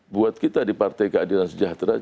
buat kita di partai keadilan sejahtera